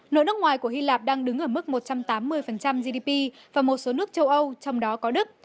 nợ nước ngoài của hy lạp đang đứng ở mức một trăm tám mươi gdp và một số nước châu âu trong đó có đức